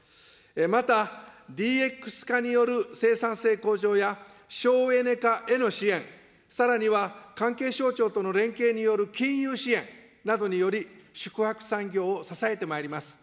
また、ＤＸ化による生産性向上や省エネ化への支援、さらには関係省庁との連携による金融支援などにより、宿泊産業を支えてまいります。